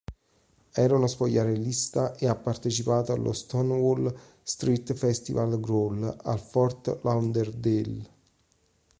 Era uno spogliarellista e ha partecipato allo Stonewall Street Festival “Growl” a Fort Lauderdale.